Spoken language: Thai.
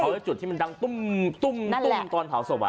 เขาได้จุดที่มันดังตุ้มตุ้มตุ้มตอนเผาศพ